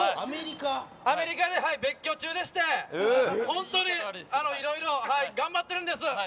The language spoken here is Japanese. アメリカで別居中でして本当にいろいろ頑張ってるんです。